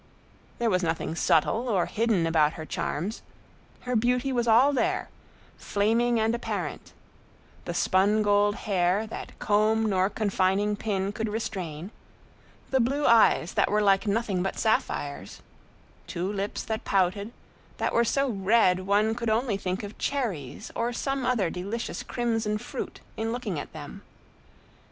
There was nothing subtle or hidden about her charms; her beauty was all there, flaming and apparent: the spun gold hair that comb nor confining pin could restrain; the blue eyes that were like nothing but sapphires; two lips that pouted, that were so red one could only think of cherries or some other delicious crimson fruit in looking at them.